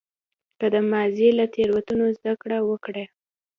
که د ماضي له تېروتنو زده کړه وکړه.